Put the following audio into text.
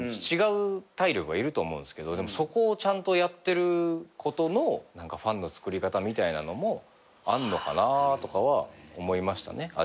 違う体力がいると思うんすけどそこをちゃんとやってることのファンのつくり方みたいなのもあんのかなとかは思いましたね。